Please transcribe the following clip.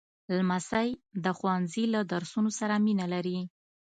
لمسی د ښوونځي له درسونو سره مینه لري.